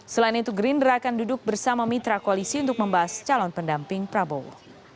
selain itu gerindra akan duduk bersama mitra koalisi untuk membahas calon pendamping prabowo